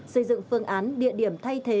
xây dựng phương án địa điểm thay thế